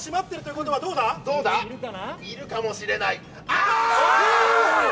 いるかもしれない！